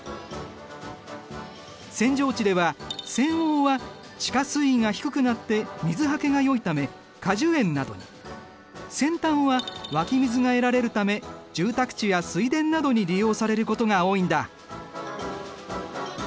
扇状地では扇央は地下水位が低くなって水はけがよいため果樹園などに扇端は湧き水が得られるため住宅地や水田などに利用されることが多いんだ。